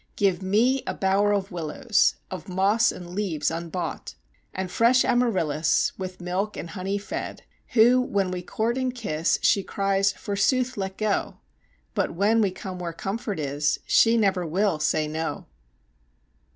Give me a bower of willows, of moss and leaves unbought, And fresh Amaryllis with milk and honey fed, Who when we court and kiss, she cries: forsooth, let go! But when we come where comfort is, she never will say no.